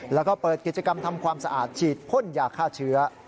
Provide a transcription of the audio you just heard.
แล้วก็เปิดกิจกรรมทำความสะอาดฉีดพ่นยาฆ่าเชื้อ